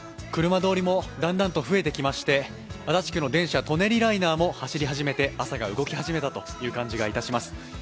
車通りもだんだんと増えてきまして、足立区の電車、舎人ライナーも走り始めて、朝が動き始めた感じがします。